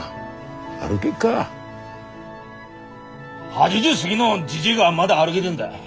８０過ぎのじじいがまだ歩げでんだ。